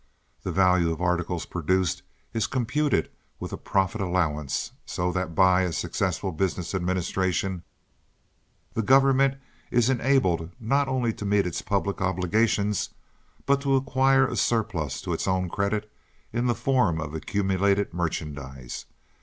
The value of articles produced is computed with a profit allowance, so that by a successful business administration, the government is enabled not only to meet its public obligations, but to acquire a surplus to its own credit in the form of accumulated merchandise.